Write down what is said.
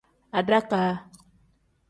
Adakaa.